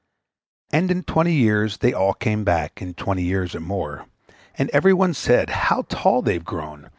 And in twenty years they all came back, In twenty years or more, And every one said, `How tall they've grown!